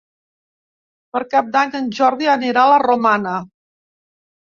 Per Cap d'Any en Jordi anirà a la Romana.